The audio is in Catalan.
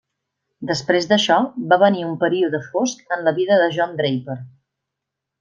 Després d'això, va venir un període fosc en la vida de John Draper.